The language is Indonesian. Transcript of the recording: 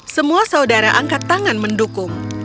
semua saudara angkat tangan mendukung